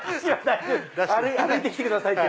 歩いて来てくださいって。